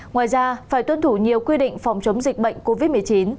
ngoài ra phải tuân thủ nhiều quy định phòng chống dịch bệnh covid một mươi chín